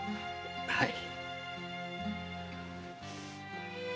はい。